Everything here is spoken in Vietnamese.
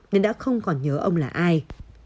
nên đã không còn nhớ ông là ai